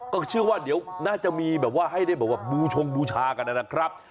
ก็เชื่อว่าเดี๋ยวน่าจะมีแบบว่าให้ได้แบบว่าบูชงบูชากันนะครับ